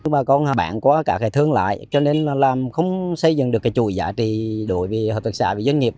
bà con bạn có cả thương lại cho nên không xây dựng được chuỗi giá trị đổi về hợp tác xã và doanh nghiệp